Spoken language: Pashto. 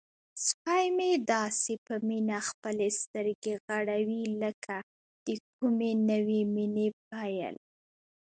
سپی مې داسې په مینه خپلې سترګې غړوي لکه د کومې نوې مینې پیل.